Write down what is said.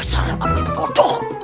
tia sarapin bodoh